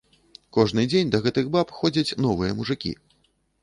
Кожны дзень да гэтых баб ходзяць новыя мужыкі.